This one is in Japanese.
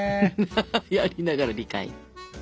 やりながら理解。